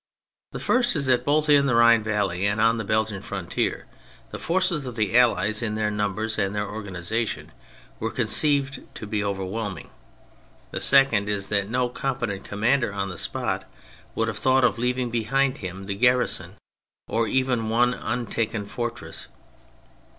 The first is that both in the Rhine valley and on the Belgian frontier the forces of the Allies in their numbers and their organisa tion were conceived to be overwhelming. The second is that no competent commander on the spot would have thought of leaving behind him the garrison of even one untaken fortress.